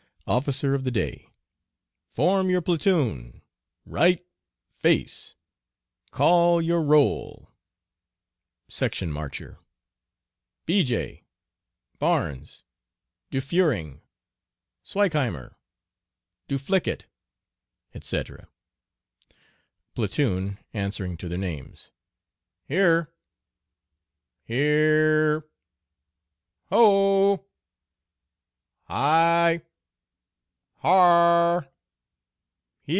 Officer of the Day. Form your platoon! Right, face! Call your roll! Section Marcher. Bejay! Barnes! Du Furing! Swikeheimer! Du Flicket, etc. Platoon (answering to their names). Here! Here re re! ho o o! hi i i!